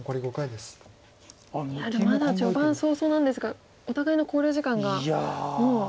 でもまだ序盤早々なんですがお互いの考慮時間がもう。